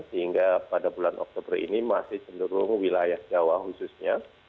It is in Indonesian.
sehingga pada bulan oktober ini masih cenderung wilayah jawa khususnya